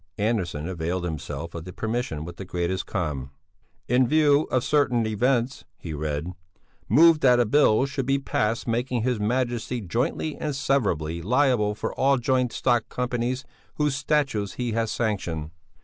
Andersson availed himself of the permission with the greatest calm. "In view of certain events," he read, "move that a Bill should be passed making his Majesty jointly and severally liable for all joint stock companies whose statutes he has sanctioned."